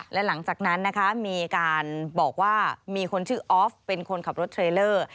และหลังจากนั้นนะคะมีการบอกว่ามีคนชื่อออฟเป็นคนขับรถเทรลเลอร์